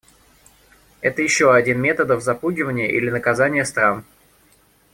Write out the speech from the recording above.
Это еще один методов запугивания или наказания стран.